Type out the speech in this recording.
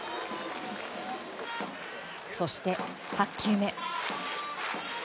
そして８球目。